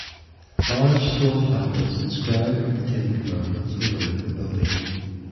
Large stone tablets inscribed with the Ten Commandments overlook the building.